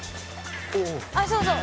あっそうそう